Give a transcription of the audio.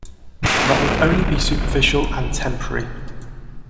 That would only be superficial and temporary.